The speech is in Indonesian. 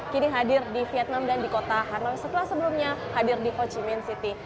kini hadir di vietnam dan di kota hanoi setelah sebelumnya hadir di ho chi minh city